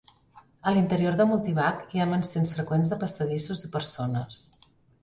A l'interior de Multivac hi ha mencions freqüents de passadissos i persones.